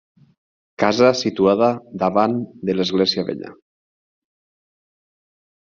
Casa situada davant de l'església vella.